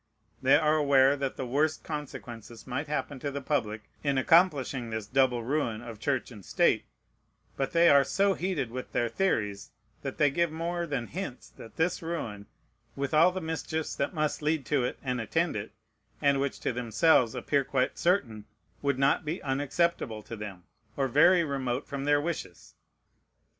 They are aware that the worst consequences might happen to the public in accomplishing this double ruin of Church and State; but they are so heated with their theories, that they give more than hints that this ruin, with all the mischiefs that must lead to it and attend it, and which to themselves appear quite certain, would not be unacceptable to them, or very remote from their wishes.